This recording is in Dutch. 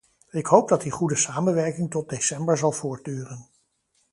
Ik hoop dat die goede samenwerking tot december zal voortduren.